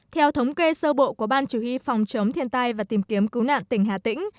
theo thống kê sơ bộ của ban chủ y phòng chống thiên tai và tìm kiếm cứu nạn tỉnh hà tĩnh